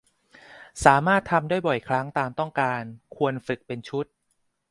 สามารถทำได้บ่อยครั้งตามต้องการ ควรฝึกเป็นชุด